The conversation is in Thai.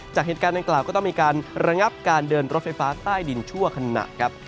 จากเหตุการณ์ดังกล่าวก็ต้องมีการระงับการเดินรถไฟฟ้าใต้ดินชั่วขณะครับ